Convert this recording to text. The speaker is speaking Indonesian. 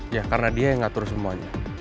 ya karena dia yang ngatur semuanya